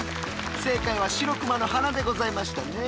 正解はシロクマの鼻でございましたね。